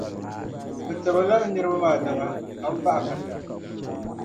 Bɛ tibirila n niriba maa daŋa ka bɛ baɣa ka tibbu.